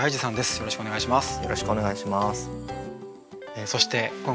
よろしくお願いします。